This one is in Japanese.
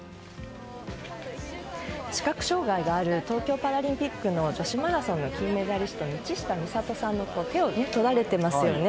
知覚障害がある東京パラリンピックの女子マラソンの金メダリストの道下美里さんの手をとられていますよね。